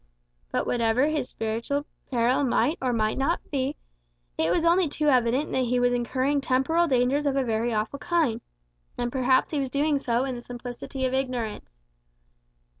But whatever his spiritual peril might or might not be, it was only too evident that he was incurring temporal dangers of a very awful kind. And perhaps he was doing so in the simplicity of ignorance.